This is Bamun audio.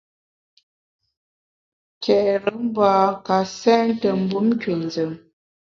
Ke’re mbâ ka sente mbum nkünzùm.